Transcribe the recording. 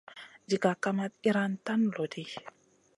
Diga kamat iyran tan loɗi.